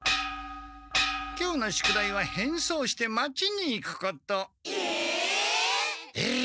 今日の宿題は変装して町に行くこと。え！？